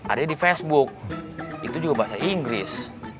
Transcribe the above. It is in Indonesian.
ada di facebook itu juga bahasa inggris